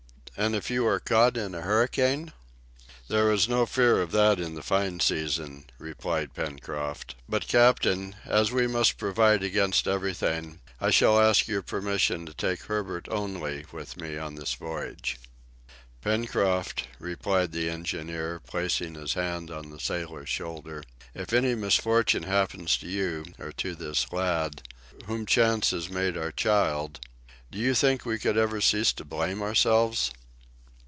"And if you are caught in a hurricane?" "There is no fear of that in the fine season," replied Pencroft. "But, captain, as we must provide against everything, I shall ask your permission to take Herbert only with me on this voyage." "Pencroft," replied the engineer, placing his hand on the sailor's shoulder, "if any misfortune happens to you, or to this lad, whom chance has made our child, do you think we could ever cease to blame ourselves?"